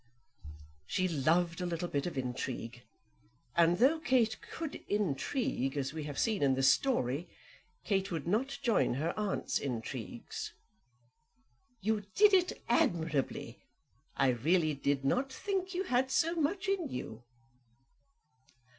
She loved a little bit of intrigue; and though Kate could intrigue, as we have seen in this story, Kate would not join her aunt's intrigues. "You did it admirably. I really did not think you had so much in you."